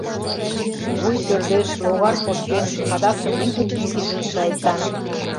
— Вуй пӧрдеш, логар кошкен, адакшым ӱгынчыш пижын, шайтан.